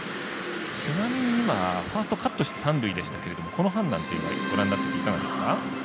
ちなみに今ファーストカットして三塁でしたけどこの判断というのはいかがですか。